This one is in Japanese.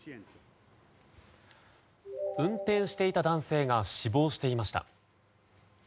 運転していた男性が死亡していました。